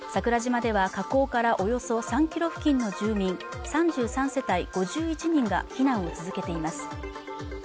桜島では火口からおよそ３キロ付近の住民３３世帯５１人が避難を続けています